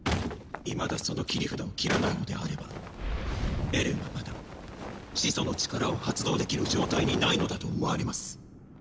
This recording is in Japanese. いまだその切り札を切らないのであればエレンはまだ「始祖の力」を発動できる状態にないのだと思われます。